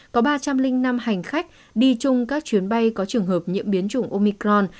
có ba trăm linh năm hành khách đi chung các chuyến bay có trường hợp nhiễm biến chủng omicron